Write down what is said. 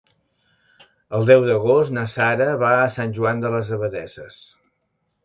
El deu d'agost na Sara va a Sant Joan de les Abadesses.